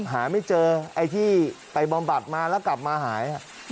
หาไม่เจอไอ้ที่ไปบำบัดมาแล้วกลับมาหาย